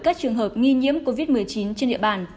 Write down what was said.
các trường hợp nghi nhiễm covid một mươi chín trên địa bàn